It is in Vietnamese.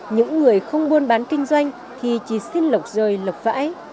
những người không buôn bán kinh doanh thì chỉ xin lọc rơi lọc vãi